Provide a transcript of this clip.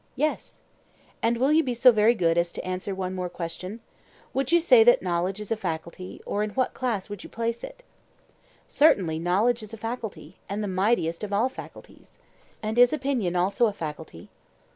Yes. And will you be so very good as to answer one more question? Would you say that knowledge is a faculty, or in what class would you place it? Certainly knowledge is a faculty, and the mightiest of all faculties. And is opinion also a faculty?